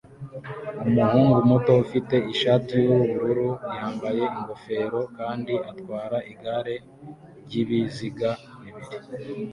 Umuhungu muto ufite ishati yubururu yambaye ingofero kandi atwara igare ryibiziga bibiri